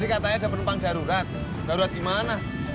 tis tadi katanya ada penumpang darurat darurat di mana